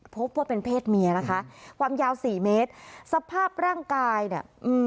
พบว่าเป็นเพศเมียนะคะความยาวสี่เมตรสภาพร่างกายเนี่ยอืม